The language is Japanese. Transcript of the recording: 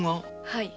はい。